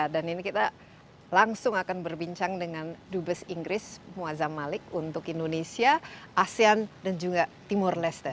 dan ini kita langsung akan berbincang dengan dubes inggris muazzam malik untuk indonesia asean dan juga timur leste